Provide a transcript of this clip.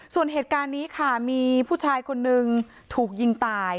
ส่วนเหตุการณ์นี้ค่ะมีผู้ชายคนนึงถูกยิงตาย